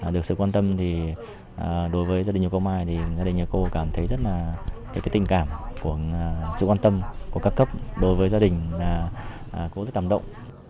được sự quan tâm thì đối với gia đình của cô mai thì gia đình nhà cô cảm thấy rất là tình cảm của sự quan tâm của các cấp đối với gia đình là cô rất tầm động